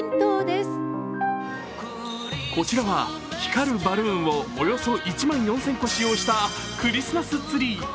こちらは光るバルーンをおよそ１万４０００個使用したクリスマスツリー。